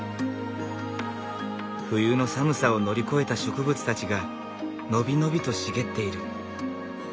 冬の寒さを乗り越えた植物たちが伸び伸びと茂っている。